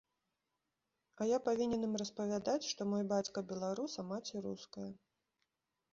А я павінен ім распавядаць, што мой бацька беларус, а маці руская.